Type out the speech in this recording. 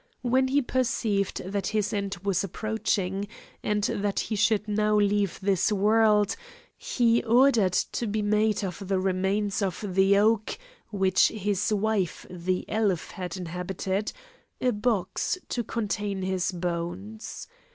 When he perceived that his end was approaching, and that he should now leave this world, he ordered to be made of the remains of the oak, which his wife the elf had inhabited, a box to contain his bones.